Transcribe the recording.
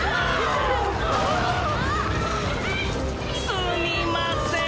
すみません。